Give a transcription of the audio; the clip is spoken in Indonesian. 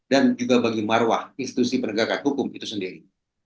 dan juga bagi marwah institusi penegakan hukum itu sendiri